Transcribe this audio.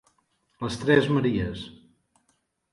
Les tres Maries.